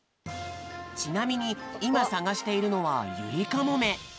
ちなみにいまさがしているのはユリカモメ。